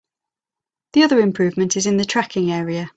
The other improvement is in the tracking area.